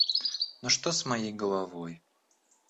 Но что с моей головой?